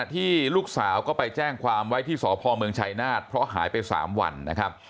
ที่ลูกสาวก็ไปแจ้งความไว้ที่สพเมืองชัยนาฏเพราะหายไป๓วันนะครับ